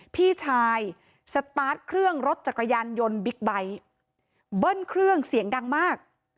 พี่ชายสตาร์ทเครื่องรถจักรยานยนต์บิ๊กไบท์เบิ้ลเครื่องเสียงดังมาก